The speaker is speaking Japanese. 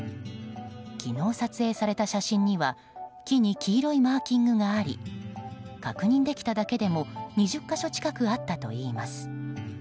昨日撮影された写真には木に黄色いマーキングがあり確認できただけでも２０か所近くあったといいます。